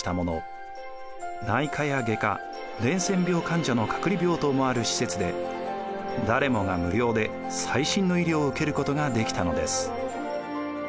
内科や外科伝染病患者の隔離病棟もある施設で誰もが無料で最新の医療を受けることができたのです。